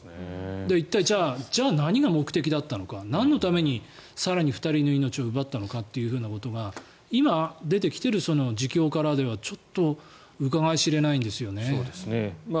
一体、じゃあ何が目的だったのかなんのために更に２人の命を奪ったのかというふうなことが今、出てきている自供からでは、ちょっとうかがい知れないんですよね。